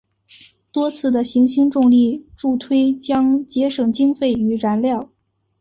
多次的行星重力助推将节省经费与燃料。